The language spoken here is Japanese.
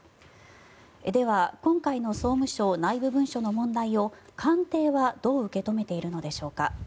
では、今回の総務省内部文書の問題を官邸はどう受け止めているのでしょうか。